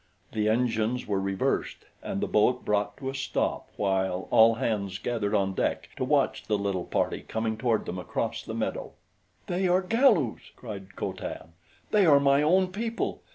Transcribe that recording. The engines were reversed and the boat brought to a stop while all hands gathered on deck to watch the little party coming toward them across the meadow. "They are Galus," cried Co Tan; "they are my own people.